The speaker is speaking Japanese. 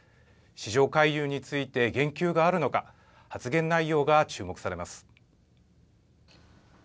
市場介入について言及があるのか、発言内容が注目されます。